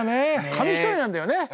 紙一重なんだよね。